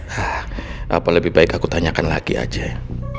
hah apa lebih baik aku tanyakan lagi aja ya